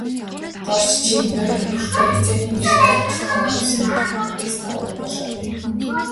Дорж чи морь уургалахдаа, хэзээний нэртэй алдартай уургач Нэрэнхүүгээс давуу болоод байна.